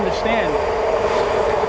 seperti saya tidak mengerti